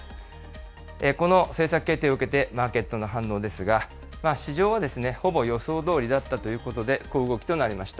この政策決定を受けて、マーケットの反応ですが、市場はほぼ予想どおりだったということで、小動きとなりました。